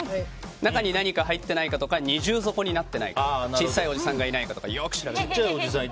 中に何か入ってないかとか二重底になっていないかとか小さいおじさんがいないかとかよく調べてください。